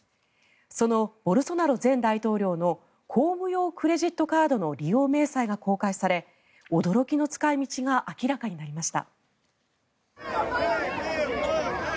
そのボルソナロ前大統領の公務用クレジットカードの利用明細が公開され驚きの使い道が明らかになりました。